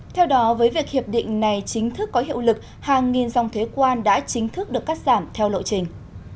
theo đó với việc hiệp định này chính thức có hiệu lực hàng nghìn dòng thuế quan đã chính thức được cắt giảm theo lộ trình